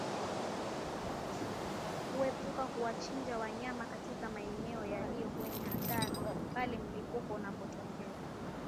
Kuepuka kuwachinja wanyama katika maeneo yaliyo kwenye hatari pale mlipuko unapotokea